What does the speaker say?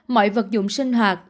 mọi vật dụng sinh hoạt